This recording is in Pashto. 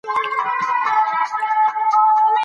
بکس د برېښنا له شیټ سره ولګېد.